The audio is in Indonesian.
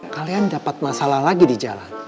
kalian dapat masalah lagi di jalan